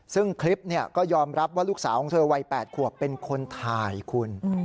ซึ่งคลิปก็ยอมรับว่าลูกสาวของเธอวัย๘ขวบเป็นคนถ่ายคุณ